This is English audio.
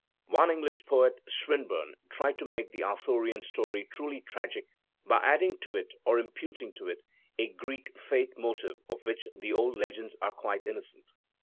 One English poet, Swinburne, tried to make the Arthurian story truly tragic by adding to it, or imputing to it, a Greek fate motive of which the old legends are quite innocent.